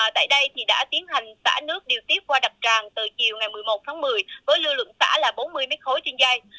tại đây thì đã tiến hành xã nước điều tiếp qua đặc tràng từ chiều ngày một mươi một một mươi với lưu lượng xã là bốn mươi m ba trên dây